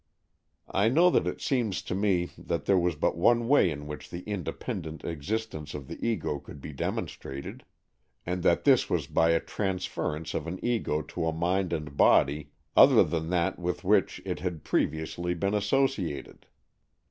I know that it seemed to me that there w'as but one way in which the independent existence of the Ego could be demonstrated, and that this was by a transference of an Ego to a mind and body other than that with 156 AN EXCHANGE OF SOULS which it had previously been associated.